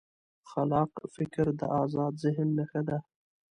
خلاق فکر د ازاد ذهن نښه ده.